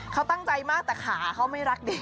เขาตั้งใจมากแต่ขาเขาไม่รักเด็ก